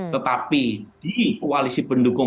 tetapi di koalisi pendukung